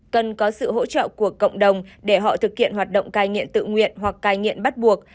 cần có sự hỗ trợ của cộng đồng để họ thực hiện hoạt động cai nghiện tự nguyện hoặc cai nghiện bắt buộc